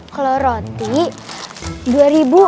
kalau roti dua ribu